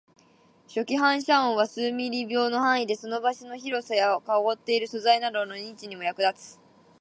初期反射音は数ミリ秒の範囲で、その場所の広さや囲っている素材などの認知にも役立つ